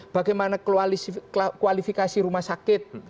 bagaimana kualifikasi rumah sakit